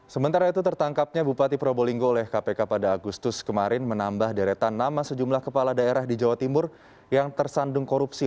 sementara itu tertangkapnya bupati probolinggo oleh kpk pada agustus kemarin menambah deretan nama sejumlah kepala daerah di jawa timur yang tersandung korupsi